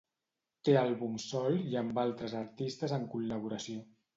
Té àlbums sol i amb altres artistes en col·laboració.